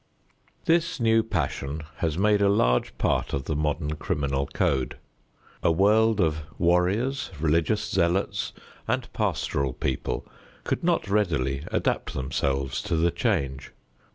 This new passion has made a large part of the modern criminal code. A world of warriors, religious zealots and pastoral people could not readily adapt themselves to the change.